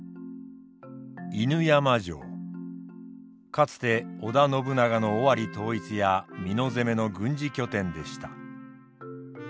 かつて織田信長の尾張統一や美濃攻めの軍事拠点でした。